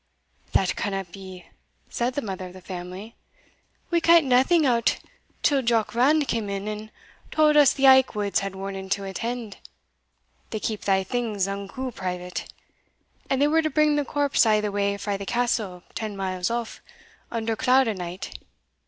"That canna be," said the mother of the family; "we kent naething o't till Jock Rand cam in, and tauld us the Aikwoods had warning to attend they keep thae things unco private and they were to bring the corpse a' the way frae the Castle, ten miles off, under cloud o' night.